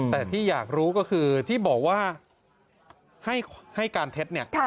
แต่ที่อยากรู้ก็คือที่บอกว่าให้การเท็จเนี่ย